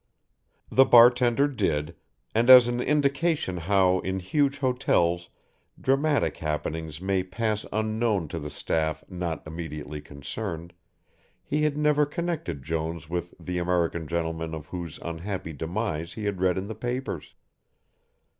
The bar tender did, and as an indication how in huge hotels dramatic happenings may pass unknown to the staff not immediately concerned, he had never connected Jones with the American gentleman of whose unhappy demise he had read in the papers.